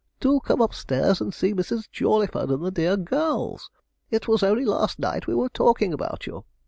Do come upstairs and see Mrs. Jawleyford and the dear girls. It was only last night we were talking about you.'